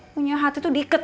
punya hati tuh diikat